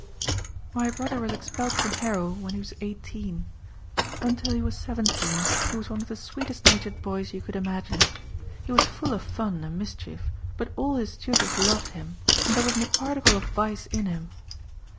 "My brother was expelled from Harrow when he was eighteen. Until he was seventeen he was one of the sweetest natured boys you could imagine. He was full of fun and mischief but all his tutors loved him and there wasn't a particle of vice in him.